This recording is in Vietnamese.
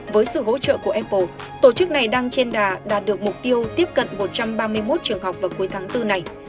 với sự hỗ trợ của apple tổ chức này đang trên đà đạt được mục tiêu tiếp cận một trăm ba mươi một trường học vào cuối tháng bốn này